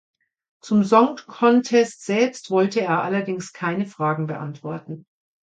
Zum Song Contest selbst wollte er allerdings keine Fragen beantworten.